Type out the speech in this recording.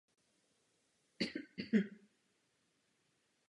Na toto téma napsala řadu her.